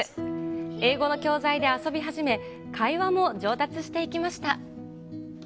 英語の教材で遊び始め、会話も上達していきました。